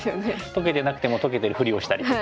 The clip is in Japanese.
解けてなくても解けてるふりをしたりとか。